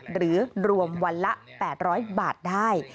หรือรวมวันละ๘๐๐บาทได้